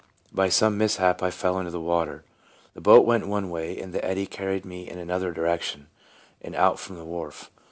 By some mishap I fell into the water. The boat went one way, and the eddy carried me in another direction, and out from the wharf.